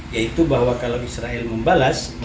yaitu bahwa kalau israel membalas